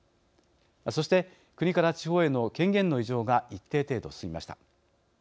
そして、国から地方への権限の委譲が一定程度、進みました。